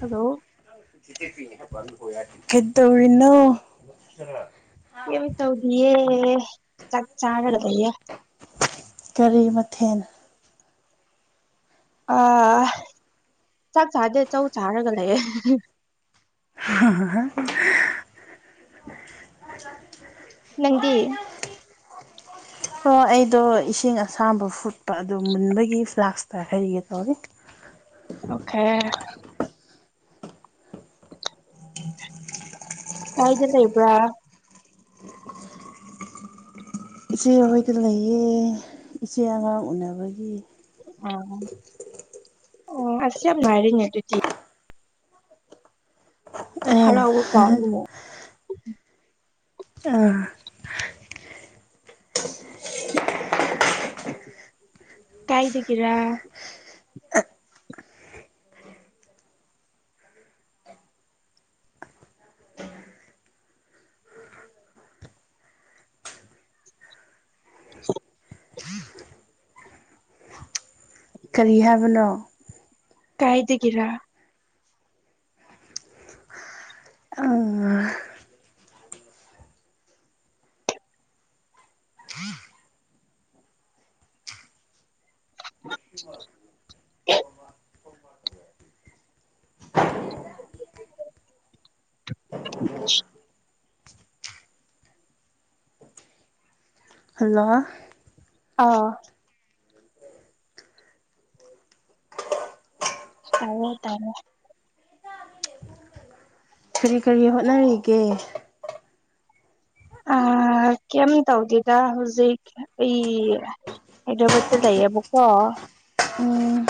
Hello ꯀꯗꯧꯔꯤꯅꯣ ꯀꯩꯝ ꯇꯧꯗꯤꯑꯦ ꯆꯥꯛ ꯆꯔꯒ ꯂꯩꯌꯦ ꯀꯔꯤ ꯃꯊꯦꯜ ꯑ ꯆꯥꯛ ꯆꯥꯗꯦ ꯆꯧ ꯆꯥꯔꯒ ꯂꯩꯌꯦ ꯍ ꯍ ꯅꯪꯗꯤ ꯑꯣ ꯑꯩꯗꯣ ꯏꯁꯤꯡ ꯑꯁꯥꯕ ꯐꯨꯠꯄ ꯑꯗꯨꯗ ꯃꯨꯟꯕꯒꯤ ꯐ꯭ꯂꯥꯛꯁꯇ ꯍꯩꯒꯦ ꯇꯧꯔꯤ ꯑꯣꯈꯦ ꯀꯥꯏꯗ ꯂꯩꯕ꯭ꯔꯥ ꯏꯆꯦ ꯍꯣꯏꯗ ꯂꯩꯌꯦ ꯏꯆꯦ ꯑꯉꯥꯡ ꯎꯅꯕꯒꯤ ꯑ ꯑꯣ ꯑꯁ ꯉꯥꯏꯔꯦꯅꯦ ꯑꯗꯨꯗꯤ ꯑꯥ ꯍꯔꯥꯎꯕ ꯄꯥꯎꯅꯤ ꯑꯥ ꯀꯥꯏ ꯗ ꯒꯤꯔꯥ ꯍ ꯀꯔꯤ ꯍꯥꯏꯕꯅꯣ ꯀꯥꯏꯗꯒꯤꯔꯥ ꯑ ꯑ [unintelligible] ꯍꯜꯂꯣ ꯑꯥꯎ ꯇꯌꯦ ꯇꯌꯦ ꯀꯔꯤ ꯀꯔꯤ ꯍꯣꯠꯅꯔꯤꯒꯦ ꯀꯩꯝ ꯇꯧꯗꯦꯗ ꯍꯧꯖꯤꯛ ꯑꯩ ꯍꯩꯗ꯭ꯔꯕꯥꯗꯇ ꯂꯩꯌꯦꯕꯀꯣ ꯎꯝ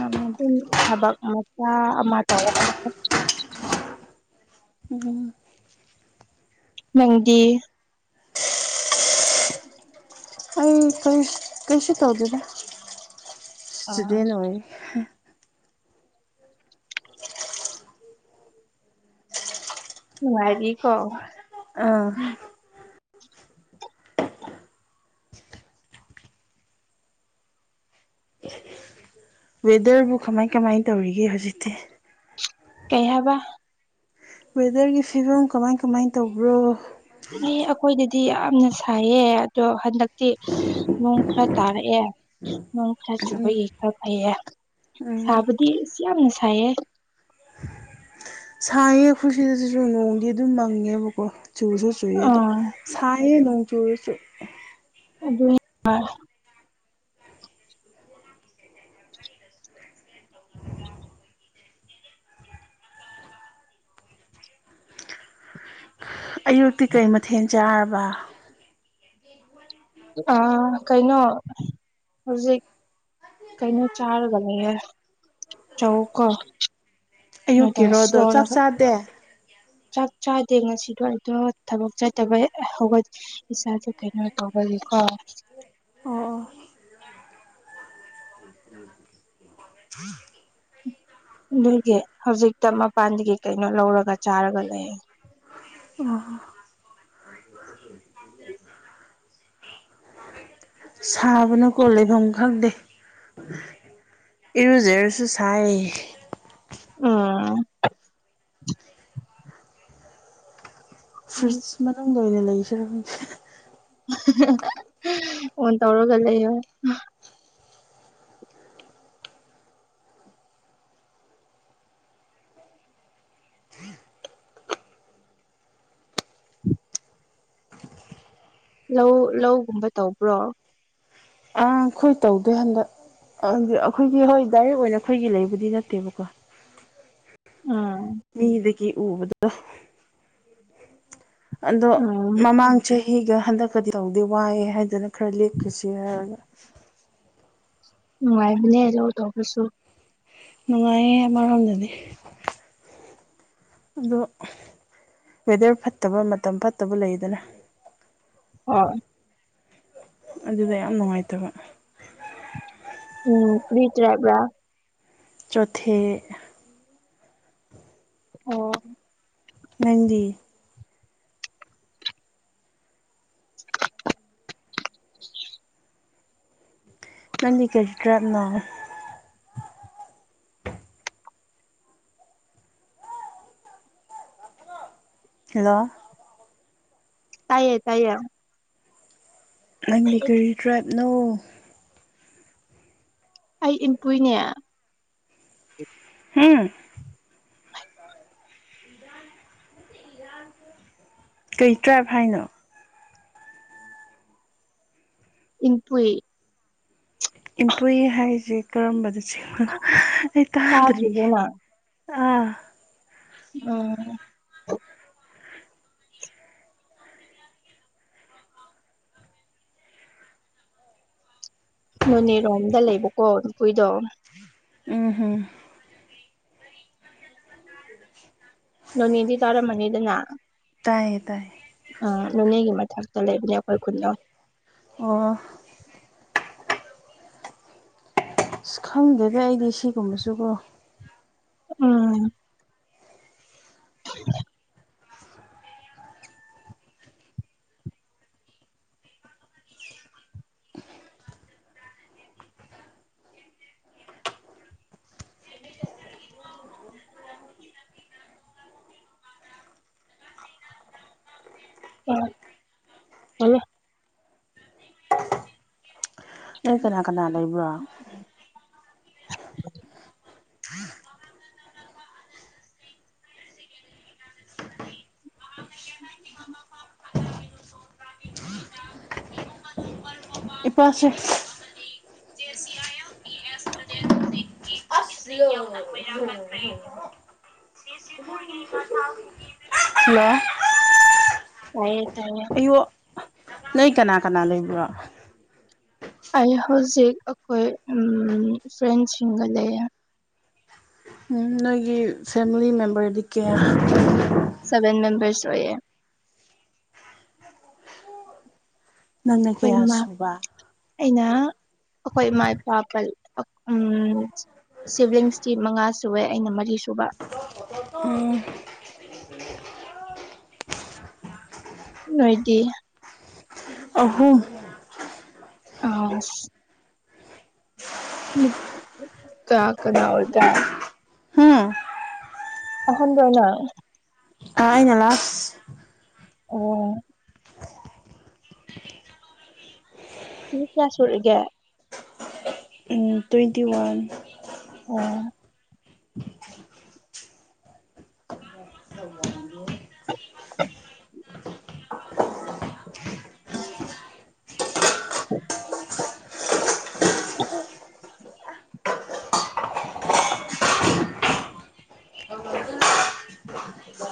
ꯑ ꯑꯗꯨꯝ ꯊꯕꯛ ꯃꯆꯥ ꯑꯃ ꯇꯧꯒꯗꯕ ꯎꯝ ꯅꯪꯗꯤ ꯑꯩ ꯀꯩꯁꯨ ꯇꯧꯗꯦꯅ ꯑꯥ ꯏꯁꯇꯨꯗꯦꯟ ꯑꯣꯏ ꯅꯨꯉꯥꯏꯔꯤꯀꯣ ꯑꯥ ꯋꯦꯗꯔꯕꯨ ꯀꯃꯥꯏ ꯀꯃꯥꯏꯅ ꯇꯧꯔꯤꯒꯦ ꯍꯧꯖꯤꯛꯇꯤ ꯀꯩ ꯍꯥꯏꯕ ꯋꯦꯗꯔꯒꯤ ꯐꯤꯕꯝ ꯀꯃꯥꯏ ꯀꯃꯥꯏ ꯇꯧꯕ꯭ꯔꯣ ꯑꯦ ꯑꯩꯈꯣꯏꯗꯗꯤ ꯌꯥꯝꯅ ꯁꯥꯏꯌꯦ ꯑꯗꯣ ꯍꯟꯗꯛꯇꯤ ꯅꯣꯡ ꯈꯔ ꯇꯥꯔꯛꯑꯦ ꯅꯣꯡ ꯈꯔ ꯎꯝ ꯆꯨꯕꯒꯤ ꯈꯔ ꯐꯩꯌꯦ ꯎꯝ ꯁꯥꯕꯗꯤ ꯌꯥꯝꯅ ꯁꯥꯏꯌꯦ ꯁꯥꯏꯌꯦ ꯈꯣꯏꯁꯤꯗꯁꯨꯁꯨ ꯅꯣꯡꯗꯤ ꯑꯗꯨꯝ ꯃꯪꯉꯦꯕꯀꯣ ꯆꯨꯁꯨ ꯆꯨꯌꯦ ꯑꯗꯣ ꯑꯥ ꯁꯥꯏꯌꯦ ꯅꯣꯡ ꯆꯨꯔꯁꯨ ꯑꯗꯨ ꯑꯌꯨꯛꯇꯤ ꯀꯩ ꯃꯊꯦꯜ ꯆꯥꯔꯕ ꯑ ꯀꯩꯅꯣ ꯍꯧꯖꯤꯛ ꯀꯩꯅꯤ ꯆꯔ ꯅꯤ ꯍꯥꯏ ꯆꯧꯀ ꯅꯣꯏꯗꯜ ꯑꯌꯨꯛꯀꯤꯔꯣꯗꯣ ꯆꯥꯛ ꯂꯣꯟꯂꯒ ꯆꯥꯗꯦ ꯆꯥꯛ ꯆꯥꯗꯦ ꯉꯁꯤꯗꯣ ꯑꯗꯨꯝ ꯊꯕꯛ ꯆꯠꯇꯕ ꯍꯧꯒꯠ ꯏꯁꯥꯁꯦ ꯀꯩꯅꯣ ꯇꯧꯕꯒꯤꯀꯣ ꯑꯣ ꯑꯣ [unintelligible] ꯑꯗꯨꯒꯤ ꯍꯧꯖꯤꯛꯇ ꯃꯄꯥꯟꯗꯒꯤ ꯀꯩꯅꯣ ꯂꯧꯔꯒ ꯆꯥꯔꯒ ꯂꯩ ꯑꯣ ꯁꯥꯕꯅꯀꯣ ꯂꯩꯐꯝ ꯈꯪꯗꯦ ꯏꯔꯨꯖꯔꯁꯨ ꯁꯥꯏ ꯎꯝ ꯐ꯭ꯔꯤꯁ ꯃꯅꯨꯡꯗ ꯑꯣꯏꯅ ꯂꯩꯁꯦꯔ ꯈꯪꯗꯦ [unintelligible] ꯑꯣꯟ ꯇꯧꯔꯒ ꯂꯩꯑꯣ ꯂꯧ ꯂꯧꯒꯨꯝꯕ ꯇꯧꯕ꯭ꯔꯣ ꯑ ꯑꯈꯣꯏ ꯇꯧꯗꯦ ꯍꯟꯗꯛ ꯑꯈꯣꯏꯒꯤ ꯍꯣꯏ ꯗꯥꯏꯔꯦꯛ ꯑꯣꯏꯅ ꯑꯈꯣꯏꯒꯤ ꯂꯩꯕꯗꯤ ꯅꯠꯇꯦꯕꯀꯣ ꯎꯝ ꯃꯤꯅꯤꯗ ꯀ ꯎꯕꯗ ꯑꯗꯣ ꯎꯝ ꯃꯃꯥꯡ ꯆꯍꯤꯒ ꯍꯟꯗꯛꯀꯗꯤ ꯇꯧꯗꯦ ꯋꯥꯏꯑꯦ ꯍꯥꯏꯗꯅ ꯈꯔ ꯂꯦꯞꯈꯤꯁꯤ ꯍꯥꯏꯔꯒ ꯅꯨꯡꯉꯥꯏꯕꯅꯦ ꯂꯧ ꯇꯧꯕꯁꯨ ꯅꯨꯡꯉꯥꯏꯌꯦ ꯑꯃ ꯔꯣꯝꯗꯗꯤ ꯑꯗꯣ ꯋꯦꯗꯔ ꯐꯠꯇꯕ ꯃꯇꯝ ꯐꯠꯇꯕ ꯂꯩꯗꯅ [unintelligible] ꯑꯗꯨꯗ ꯌꯥꯝ ꯅꯨꯡꯉꯥꯏꯇꯕ ꯎꯝ ꯀꯔꯤ ꯇꯥꯞ [unintelligible] ꯆꯣꯊꯦ ꯑꯣ ꯅꯪꯗꯤ ꯅꯪꯗꯤ ꯀꯔꯤ ꯗ꯭ꯔꯞꯅꯣ꯫ ꯍꯜꯂꯣ ꯇꯥꯏꯌꯦ ꯇꯥꯏꯌꯦ ꯅꯪꯗꯤ ꯀꯔꯤ ꯇ꯭ꯔꯥꯞꯅꯣ꯫ ꯑꯩ ꯏꯟꯄꯨꯏꯅꯦ ꯍꯝ ꯀꯩ ꯇ꯭ꯔꯥꯞꯕ ꯍꯥꯏꯅꯣ ꯏꯟꯄꯨꯏ꯫ ꯏꯟꯄꯨꯏ ꯍꯥꯏꯁꯦ ꯀꯔꯝꯕꯗꯕ ꯆꯤꯡꯕꯅꯣ ꯑꯩ ꯇꯥꯗ꯭ꯔꯤ ꯇꯥꯗ꯭ꯔꯤꯕꯣ ꯅꯪ ꯑꯥ ꯎꯝ ꯅꯣꯅꯦꯔꯣꯝꯗ ꯂꯩꯕꯀꯣ ꯏꯟꯄꯨꯏꯗꯣ꯫ ꯎꯝ [unintelligible] ꯅꯣꯏꯅꯦ ꯗꯤ ꯇꯔꯝꯃꯅꯤꯗꯅ ꯇꯥꯏꯌꯦ ꯇꯥꯏꯌꯦ ꯎꯝ ꯅꯣꯅꯦꯒꯤ ꯃꯊꯛꯇ ꯂꯩꯕꯅꯦ ꯑꯈꯣꯏ ꯈꯨꯟꯗꯣ ꯑꯣ ꯑꯁ ꯈꯪꯗꯦꯗ ꯑꯩꯗꯤ ꯁꯤꯒꯨꯝꯕꯁꯨꯀꯣ ꯎꯝ [unintelligible] [unintelligible] ꯅꯣꯏ ꯀꯅꯥ ꯀꯅꯥ ꯂꯩꯕ꯭ꯔꯣ ꯏꯄꯥꯁꯤꯛꯁ [unintelligible] [inaudible] ꯍꯜꯂꯣ ꯇꯥꯏꯌꯦ ꯇꯥꯏꯌꯦ ꯑꯩꯌꯣ ꯅꯣꯏ ꯀꯅꯥ ꯀꯅꯥ ꯂꯩꯕ꯭ꯔꯣ ꯑꯩ ꯍꯧꯖꯤꯛ ꯑꯩꯈꯣꯏ ꯐ꯭ꯔꯦꯟꯁꯤꯡꯒ ꯂꯩꯌꯦ ꯅꯣꯏꯒꯤ ꯐꯦꯃꯤꯂꯤ ꯃꯦꯝꯕꯔꯗꯤ ꯀꯌꯥ ꯁꯦꯕꯦꯟ ꯃꯦꯝꯕꯔꯁ ꯑꯣꯏꯌꯦ ꯅꯪꯅ ꯑꯩꯈꯣꯏ ꯀꯌꯥ ꯏꯃꯥ ꯁꯨꯕ ꯑꯩꯅ ꯑꯩꯈꯣꯏ ꯏꯃꯥ ꯏꯄꯥ ꯄ ꯎꯝ ꯁꯤꯚꯂꯤꯡꯁꯇꯤ ꯃꯉꯥ ꯁꯨꯋꯦ ꯑꯩꯅ ꯃꯔꯤ ꯁꯨꯕ ꯎꯝ ꯅꯣꯏꯗꯤ ꯑꯍꯨꯝ ꯑꯥ ꯀꯥ ꯀꯅꯥ ꯑꯣꯏꯗ ꯍꯨꯝ ꯑꯍꯟꯗꯅ ꯑꯥ ꯑꯩꯅ ꯂꯥꯁ ꯑꯣ ꯆꯍꯤ ꯀꯌꯥ ꯁꯨꯔꯒꯦ ꯎꯝ ꯇ꯭ꯋꯦꯟꯇꯤ ꯋꯥꯟ ꯑꯣ [inaudible]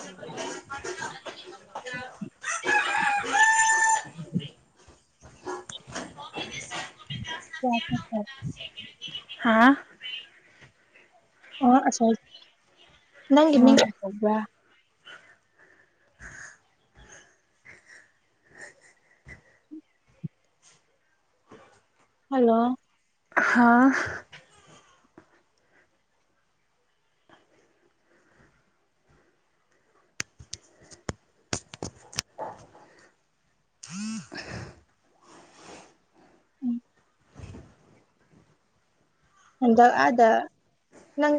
[inaudible] [unintelligible] ꯍꯥꯥ ꯑ ꯑꯁ ꯅꯪꯒꯤ ꯃꯤꯡ ꯀ꯭ꯔꯤ ꯀꯧꯕ꯭ꯔ ꯍꯜꯂꯣ ꯍꯥꯥ ꯎꯝ ꯍꯟꯗꯛ ꯑꯥꯗ ꯅꯪ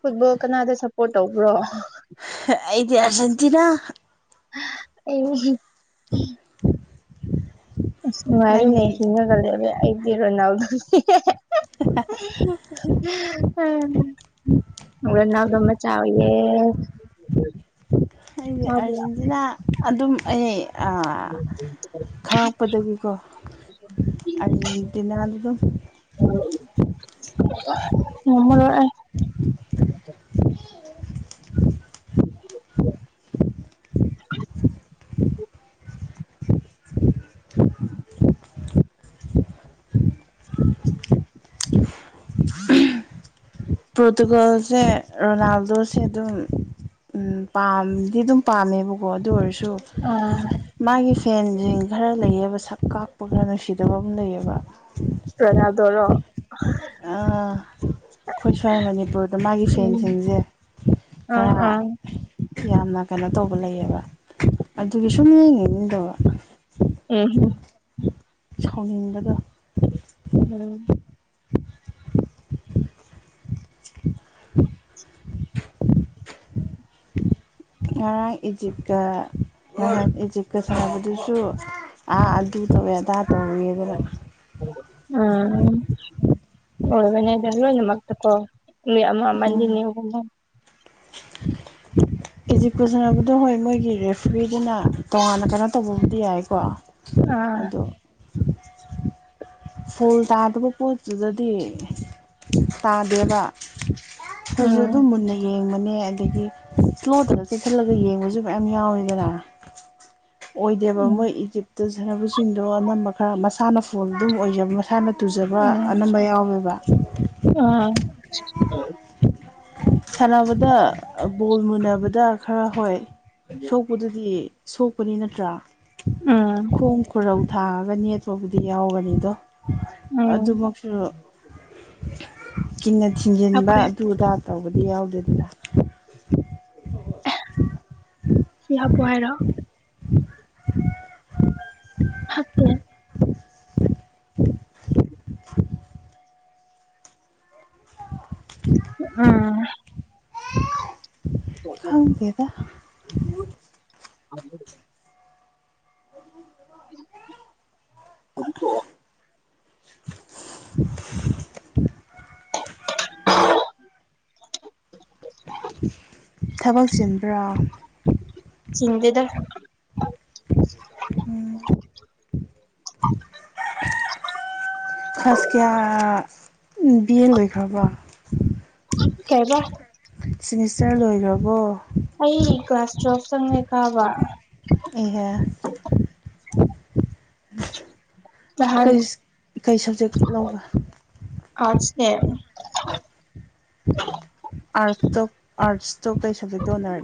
ꯐꯨꯠꯕꯣꯜ ꯀꯅꯥꯗ ꯁꯞꯄꯣꯔꯠ ꯇꯧꯕ꯭ꯔꯣ ꯑꯩꯗꯤ ꯑꯔꯖꯦꯟꯇꯤꯅꯥ ꯑꯩ ꯑꯁ ꯅꯨꯡꯉꯥꯏꯔꯦꯅꯦ ꯅꯪꯗꯤ ꯍꯤꯡꯉꯒ [unintelligible] ꯗꯤ ꯔꯣꯅꯥꯜꯗꯣ [unintelligible] ꯔꯣꯅꯥꯜꯗꯣ ꯃꯆꯥ ꯑꯣꯏꯌꯦ ꯑꯩꯗꯤ ꯆꯥꯕ ꯑꯥꯔꯖꯦꯟꯇꯤꯅꯥ ꯑꯗꯨꯝ ꯑꯩ [inaudible] ꯈꯪꯉꯛꯄꯗꯒꯤꯀꯣ ꯑꯔꯖꯦꯟꯇꯤꯅꯥꯗ ꯑꯗꯨꯝ [unintelligible] ꯉꯝꯃꯔꯣꯏ ꯑꯩ [inaudible] [inaudible] ꯄ꯭ꯔꯣꯇꯨꯒꯜꯁꯦ ꯔꯣꯅꯥꯜꯗꯣꯁꯦ ꯑꯗꯨꯝ ꯎꯝ ꯄꯥꯝꯗꯤ ꯑꯗꯨꯝ ꯄꯥꯝꯃꯦꯕꯀꯣ ꯑꯗꯨ ꯑꯣꯏꯔꯁꯨ ꯑ ꯃꯥꯒꯤ ꯐꯦꯟꯁꯤꯡ ꯈꯔ ꯂꯩꯌꯦꯕ ꯁꯛ ꯀꯥꯛꯄ ꯈꯔ ꯅꯨꯡꯁꯤꯗꯕ ꯑꯝ ꯂꯩꯌꯦꯕ ꯔꯣꯅꯥꯜꯗꯣꯔꯣ ꯑꯩꯈꯣꯏ ꯁ꯭ꯋꯥꯏ ꯃꯅꯤꯄꯨꯔꯗ ꯃꯥꯒꯤ ꯎꯝ ꯐꯦꯟꯁꯤꯡꯁꯦ ꯑꯥ ꯈꯔ ꯑꯥ ꯌꯥꯝꯅ ꯀꯩꯅꯣ ꯇꯧꯕ ꯂꯩꯌꯦꯕ ꯑꯗꯨꯒꯤ ꯁꯨꯝ ꯌꯦꯡꯅꯤꯡꯗꯕ ꯎꯝ ꯍꯝ ꯁꯥꯎꯅꯤꯡꯂꯒ ꯎꯝ [unintelligible] ꯉꯔꯥꯡ ꯏꯖꯤꯞꯀ ꯏꯖꯤꯛꯀ ꯁꯥꯕꯗꯨꯁꯨ ꯑꯥ ꯑꯗꯨ ꯇꯧꯋꯦ ꯑꯗꯥ ꯇꯧꯋꯦꯗꯅ ꯎꯝ ꯎꯒꯅꯦꯗꯜꯣ ꯏ ꯃ ꯇ ꯀꯣ ꯎꯝ ꯃꯅꯤꯅꯤ ꯏꯖꯤꯛꯀ ꯁꯟꯅꯕꯗꯣ ꯍꯣꯏ ꯃꯣꯏꯒꯤ ꯔꯦꯐꯔꯤ ꯗꯨꯅ ꯇꯣꯉꯥꯟꯅ ꯀꯩꯅꯣ ꯇꯧꯕꯕꯨꯗꯤ ꯌꯥꯏꯀꯣ ꯑꯥ ꯐꯨꯜ ꯇꯥꯗꯕ ꯄꯣꯠꯇꯨꯗꯗꯤ ꯇꯥꯗꯦꯕ ꯐꯖꯁꯨ ꯑꯗꯨꯝ ꯎꯝ ꯃꯨꯟꯅ ꯌꯦꯡꯕꯅꯦ ꯑꯗꯒꯤ ꯏꯁ꯭ꯂꯣꯗꯨꯨꯗ ꯆꯦꯛꯁꯤꯜꯂꯒ ꯌꯦꯡꯕꯁꯨ ꯃꯌꯥꯝ ꯌꯥꯎꯔꯤꯗꯅ ꯑꯣꯏꯗꯦꯕ ꯃꯣꯏ ꯎꯝ ꯏꯖꯤꯞꯇ ꯁꯥꯟꯅꯕꯁꯤꯡꯗꯣ ꯑꯅꯝꯕ ꯈꯔ ꯃꯁꯥꯅ ꯐꯣꯟꯜꯂꯤ ꯑꯣꯏꯖꯕ ꯃꯁꯥꯅ ꯇꯨꯖꯕ ꯑꯅꯝꯕ ꯌꯥꯎꯋꯦꯕ ꯑꯥ ꯁꯥꯟꯅꯕꯗ ꯕꯣꯜ ꯃꯨꯟꯅꯕꯗ ꯈꯔ ꯍꯣꯏ ꯁꯣꯛ ꯑꯗꯨꯗꯨꯗꯤ ꯁꯣꯛꯄꯅꯤ ꯅꯠꯇ꯭ꯔꯥ ꯎꯝ ꯈꯣꯡ ꯈꯨꯔꯧ ꯊꯥꯔꯒꯅꯤ ꯑꯇꯣꯞꯄꯗꯤ ꯌꯥꯎꯒꯅꯤꯗꯣ ꯎꯝ ꯑꯗꯨꯃꯛꯁꯨ ꯀꯤꯟꯅ ꯊꯤꯡꯖꯤꯟꯕ ꯍꯥꯞꯈ꯭ꯔꯦ ꯑꯗꯨ ꯑꯗꯥ ꯇꯧꯕꯗꯤ ꯌꯥꯎꯗꯦꯗꯅ ꯁꯤ ꯍꯥꯄ ꯍꯥꯏꯔ ꯎ ꯍꯥꯀꯦ ꯎꯝ ꯈꯪꯗꯦꯗ [unintelligible] ꯑꯗꯨ ꯇ [unintelligible] ꯊꯕꯛ ꯆꯤꯟꯕ꯭ꯔꯥ ꯆꯤꯟꯗꯦꯗ ꯎꯝ ꯀ꯭ꯂꯥꯁ ꯀꯌꯥ ꯕꯤ ꯑꯦ ꯂꯣꯏꯈ꯭ꯔꯕꯣ ꯀꯩꯔ ꯁꯤꯃꯦꯁꯇꯔ ꯂꯣꯏꯈ꯭ꯔꯔꯕꯣ ꯑꯩ ꯀꯂ꯭ꯥꯁ ꯇ꯭ꯔꯣꯞ ꯆꯪꯉꯦ ꯀꯥꯕ ꯏꯍ ꯅꯍꯥꯟ ꯀꯔꯤ ꯁꯕꯖꯦꯛ ꯂꯧꯕ ꯑꯁꯦ ꯑꯠꯇꯠꯁꯇꯣ ꯀꯩ ꯁꯕꯖꯦꯛꯇꯣꯅꯔ